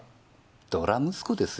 ドラ息子ですよ。